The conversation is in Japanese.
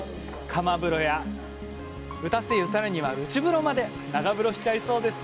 釜風呂や打たせ湯、さらには内風呂まで長風呂しちゃいそうです！